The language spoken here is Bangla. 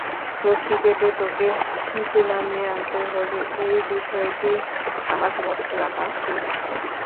রশি কেটে তাকে নিচে নামিয়ে আনতে হবে এই বিষয়টি আমার নোট রখা জরুরি -কেন?